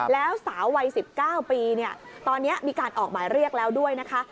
แล้วสาววัย๑๙ปีตอนนี้มีการออกหมายเรียกแล้วด้วยนะคะ